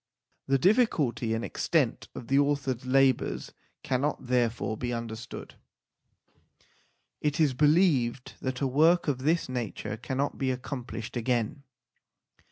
The diffi culty and extent of the author s labours cannot therefore be understood. PREFACE xxxiii It is believed that a work of this nature cannot be accomplished again.